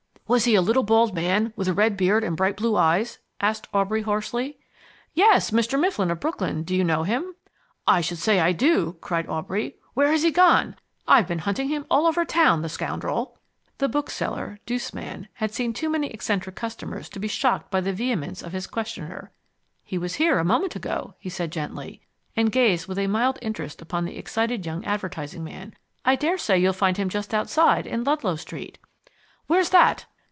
"Was he a little bald man with a red beard and bright blue eyes?" asked Aubrey hoarsely. "Yes Mr. Mifflin of Brooklyn. Do you know him?" "I should say I do!" cried Aubrey. "Where has he gone? I've been hunting him all over town, the scoundrel!" The bookseller, douce man, had seen too many eccentric customers to be shocked by the vehemence of his questioner. "He was here a moment ago," he said gently, and gazed with a mild interest upon the excited young advertising man. "I daresay you'll find him just outside, in Ludlow Street." "Where's that?"